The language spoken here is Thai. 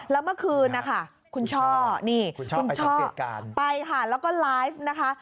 แล้วเมื่อคืนคุณช่อไปค่ะแล้วก็ไลฟ์นะคะ